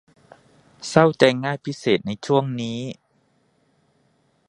เศร้าใจง่ายพิเศษในช่วงนี้